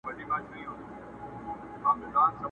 وخت به تېر وي نه راګرځي بیا به وکړې ارمانونه،